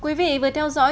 quý vị vừa theo dõi